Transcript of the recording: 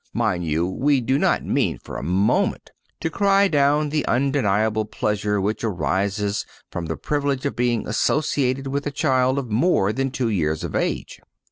Mind you, we do not mean for a moment to cry down the undeniable pleasure which arises from the privilege of being associated with a child of more than two years of age.